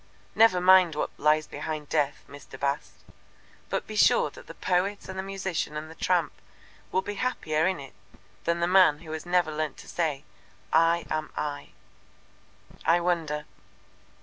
Never mind what lies behind Death, Mr. Bast, but be sure that the poet and the musician and the tramp will be happier in it than the man who has never learnt to say, 'I am I.'" "I wonder."